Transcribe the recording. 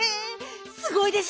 すごいでしょ？